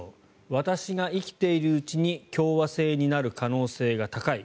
私が生きているうちに共和制になる可能性が高い。